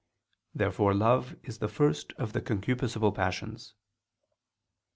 Therefore love is the first of the concupiscible passions.